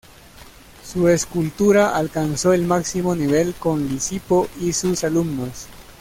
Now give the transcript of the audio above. Su escultura alcanzó el máximo nivel con Lisipo y sus alumnos.